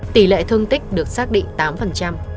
tỷ lệ thương tích được xác định tám